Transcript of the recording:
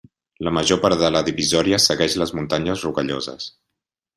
La major part de la divisòria segueix les Muntanyes Rocalloses.